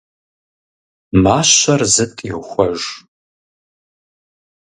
Мащэр зытӀ йохуэж.